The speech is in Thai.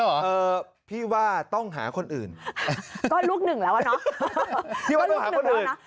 เออพี่ว่าต้องหาคนอื่นก็ลูกหนึ่งแล้วอ่ะเนอะพี่ว่าต้องหาคนหนึ่งนะ